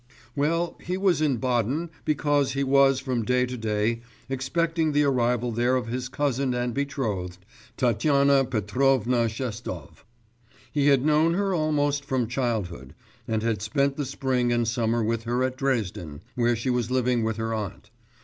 Well, he was in Baden because he was from day to day expecting the arrival there of his cousin and betrothed, Tatyana Petrovna Shestov. He had known her almost from childhood, and had spent the spring and summer with her at Dresden, where she was living with her aunt.